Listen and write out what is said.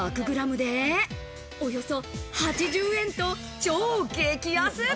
１００グラムで、およそ８０円と超激安。